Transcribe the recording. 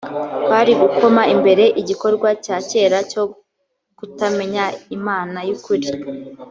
kwari gukoma imbere igikorwa cya kera cyo kutamenya imana y’ukuri